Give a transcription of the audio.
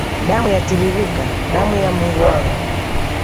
Damu yatiririka damu ya Mungu wangu.